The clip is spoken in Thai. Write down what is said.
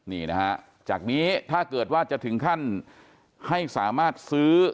นี่นะฮะจากนี้ถ้าเกิดว่าจะถึงขั้นให้สามารถซื้อ